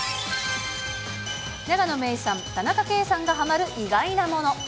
永野芽郁さん、田中圭さんがはまる意外なもの。